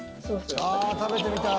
ああ食べてみたい。